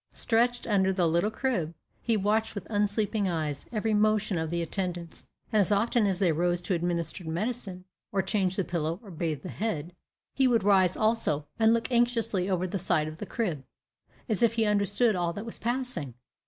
Stretched under the little crib, he watched with unsleeping eyes every motion of the attendants, and as often as they rose to administer medicine, or change the pillow, or bathe the head, he would rise also, and look anxiously over the side of the crib, as if he understood all that was passing.